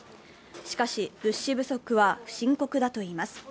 しかし物資不足は深刻だといいます。